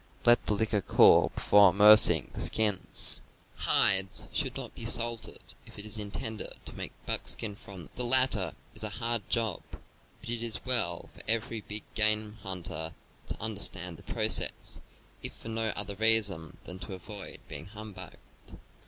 Let the liquor cool be fore immersing the skins. Hides should not be salted if it is intended to make 280 CAMPING AND WOODCRAFT buckskin from them. The latter is a hard job; but ,. it is well for everj big game hunter to understand the process, if for no other reason than to avoid being humbugged.